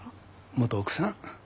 元奥さん？